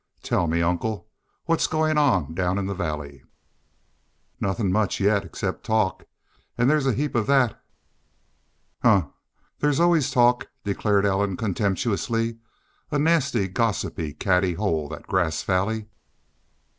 "Tell me, uncle, what's goin' on down in the Valley?" "Nothin' much yet except talk. An' there's a heap of thet." "Humph! There always was talk," declared Ellen, contemptuously. "A nasty, gossipy, catty hole, that Grass Valley!"